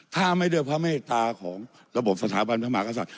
ถ้าไม่ด้วยพระเมตตาของระบบสถาบันพระมหากษัตริย